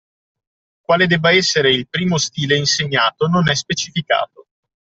Quale debba essere il primo stile insegnato non è specificato